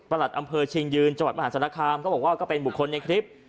หลัดอำเภอเชียงยืนจังหวัดมหาศาลคามก็บอกว่าก็เป็นบุคคลในคลิป